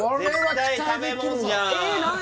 絶対食べ物じゃん